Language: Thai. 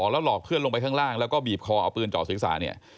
แล้วหลอกเพื่อนลงไปข้างล่างแล้วก็บีบคอเอาปืนเจาะศีรษะเนี่ย